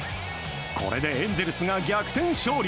これでエンゼルスが逆転勝利。